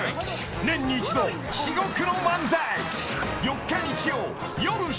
［年に一度至極の漫才］